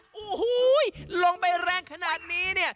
โหลงไปแรงขนาดนี้